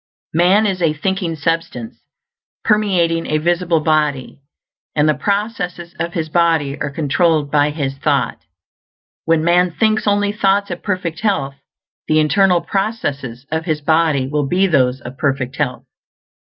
Man is a thinking substance, permeating a visible body, and the processes of his body are controlled by his thought. When man thinks only thoughts of perfect health, the internal processes of his body will be those of perfect health.